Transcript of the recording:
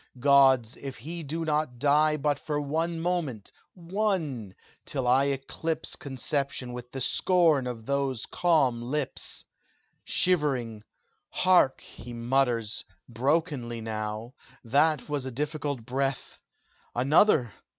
Gods! if he do not die But for one moment one till I eclipse Conception with the scorn of those calm lips! "Shivering! Hark! he mutters Brokenly now that was a difficult breath Another?